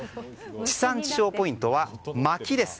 地産地消ポイントはまきです。